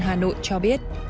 hà nội cho biết